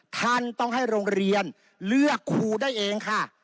ท่านต้องให้โรงเรียนเลือกครูได้เองค่ะ